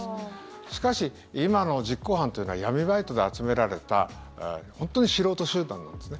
しかし、今の実行犯というのは闇バイトで集められた本当に素人集団なんですね。